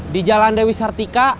di jalan dewi sartika